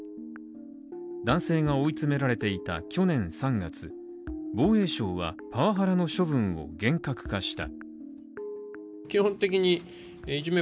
男性が追い詰められていた去年３月防衛省はパワハラの処分を厳格化した。